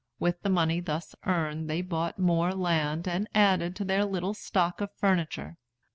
With the money thus earned they bought more land and added to their little stock of furniture.